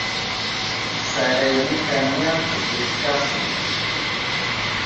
Saraynika ña pukushka kahun.